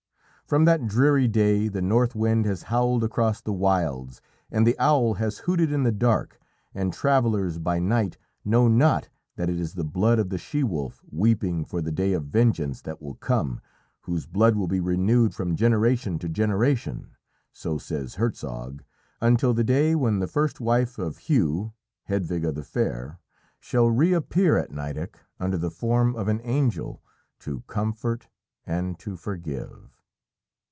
"From that dreary day the north wind has howled across the wilds, and the owl has hooted in the dark, and travellers by night know not that it is the blood of the she wolf weeping for the day of vengeance that will come, whose blood will be renewed from generation to generation so says Hertzog until the day when the first wife of Hugh, Hedwige the Fair, shall reappear at Nideck under the form of an angel to comfort and to forgive!"